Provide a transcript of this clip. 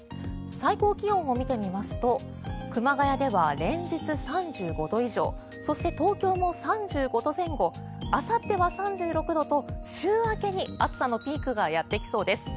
最高気温を見てみますと熊谷では連日３５度以上そして、東京も３５度前後あさっては３６度と週明けに暑さのピークがやってきそうです。